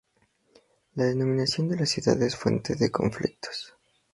La denominación de la ciudad es fuente de conflictos.